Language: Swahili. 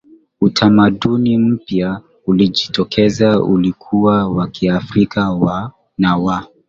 Utamaduni mpya ulijitokeza uliokuwa wa Kiafrika na wa